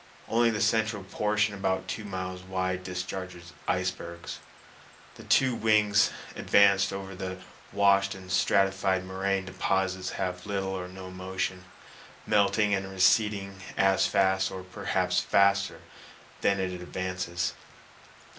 Only the central portion about two miles wide discharges icebergs. The two wings advanced over the washed and stratified moraine deposits have little or no motion, melting and receding as fast, or perhaps faster, than it advances.